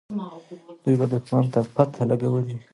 دوی به دښمن ته پته لګولې وي.